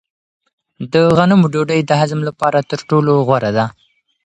د غنمو ډوډۍ د هضم لپاره تر ټولو غوره ده.